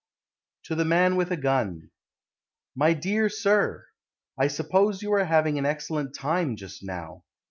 TO THE MAN WITH A GUN My dear Sir, I suppose you are having an excellent time just now.